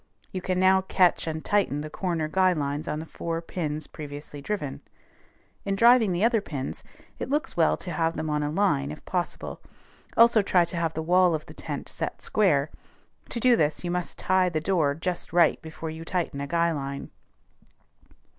You can now catch and tighten the corner guy lines on the four pins previously driven. In driving the other pins, it looks well to have them on a line, if possible; also try to have the wall of the tent set square: to do this you must tie the door just right before you tighten a guy line.